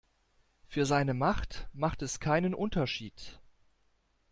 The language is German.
Für seine Macht macht es keinen Unterschied.